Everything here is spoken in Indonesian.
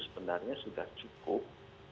sebenarnya sudah cukup